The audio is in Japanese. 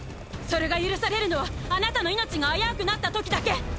それが許されるのはあなたの命が危うくなった時だけ。